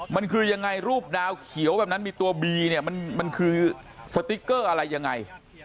มันคือยังไงรูปดาวเขียวแบบนั้นมีตัวบีเนี่ยมันคือสติ๊กเกอร์อะไรยังไง